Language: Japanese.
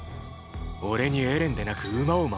俺にエレンでなく馬を守れと？